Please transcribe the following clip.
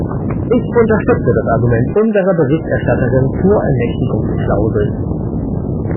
Ich unterstütze das Argument unserer Berichterstatterin zur Ermächtigungsklausel.